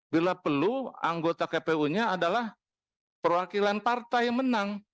bila perlu anggota kpu nya adalah perwakilan partai yang menang